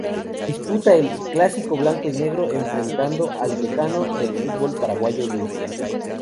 Disputa el "Clásico Blanco y Negro" enfrentando al "Decano" del fútbol paraguayo Olimpia.